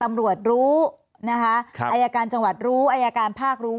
ตำรวจรู้อายการจังหวัดรู้อายการภาครู้